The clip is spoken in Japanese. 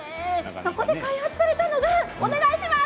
そこで開発されたのがお願いします。